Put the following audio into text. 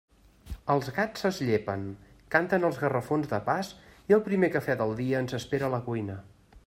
Els gats es llepen, canten els gafarrons de pas i el primer café del dia ens espera a la cuina.